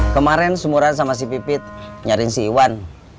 kemaren sumuran sama si pipit nyariin si iwan